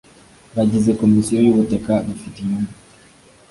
bagize komisiyo y ubutaka bafite inyungu